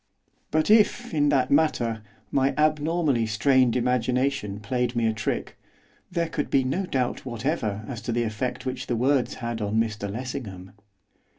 But if, in that matter, my abnormally strained imagination played me a trick, there could be no doubt whatever as to the effect which the words had on Mr Lessingham.